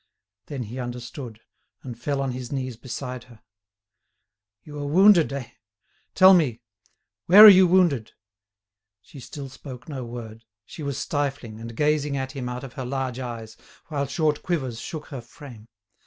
Then he understood, and fell on his knees beside her. "You are wounded, eh? tell me? Where are you wounded?" She still spoke no word; she was stifling, and gazing at him out of her large eyes, while short quivers shook her frame.